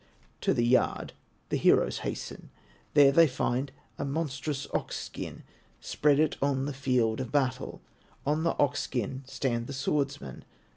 To the yard the heroes hasten, There they find a monstrous ox skin, Spread it on the field of battle; On the ox skin stand the swordsmen.